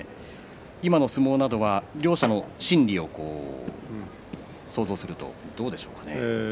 今の相撲などは両者の心理を想像すると、どうでしょうかね。